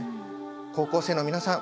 高校生の皆さん